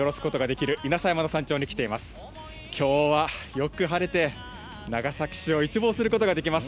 きょうはよく晴れて、長崎市を一望することができます。